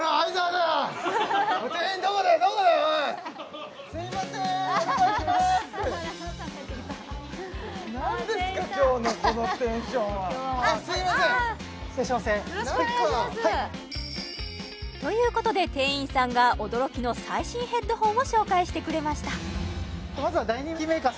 よろしくお願いしますということで店員さんが驚きの最新ヘッドホンを紹介してくれました